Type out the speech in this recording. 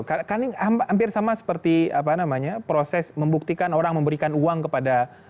karena ini hampir sama seperti proses membuktikan orang memberikan uang kepada